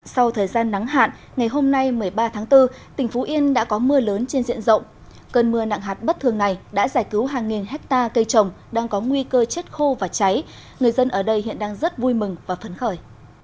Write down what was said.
sau thời gian nắng hạn ngày hôm nay một mươi ba tháng bốn tỉnh phú yên đã có mưa lớn trên diện rộng cơn mưa nặng hạt bất thường này đã giải cứu hàng nghìn hectare cây trồng đang có nguy cơ chết khô và cháy người dân ở đây hiện đang rất vui mừng và phấn khởi